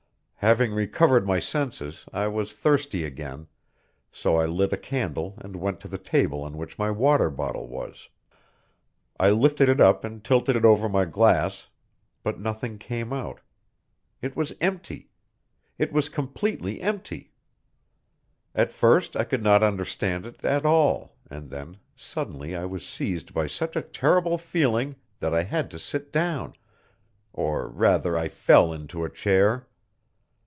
Having recovered my senses, I was thirsty again, so I lit a candle and went to the table on which my water bottle was. I lifted it up and tilted it over my glass, but nothing came out. It was empty! It was completely empty! At first I could not understand it at all, and then suddenly I was seized by such a terrible feeling that I had to sit down, or rather I fell into a chair!